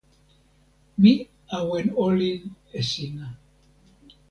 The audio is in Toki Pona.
mi awen olin e sina.